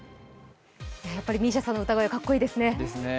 やっぱりＭＩＳＩＡさんの歌声はかっこいいですね。